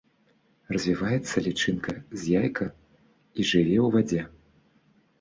Развіваецца лічынка з яйка і жыве ў вадзе.